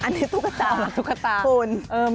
อันนี้ทุกษาคุณ